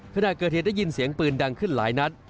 ขณะเกิดเหตุได้ยินเสียงปืนดังขึ้นหลายนัด